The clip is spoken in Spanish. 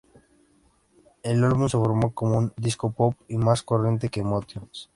El álbum se formó como un disco pop, y más corriente que "Emotions".